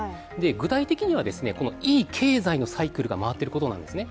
具体的にはいい経済のサイクルが回ってることなんですね。